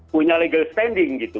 punya legal standing gitu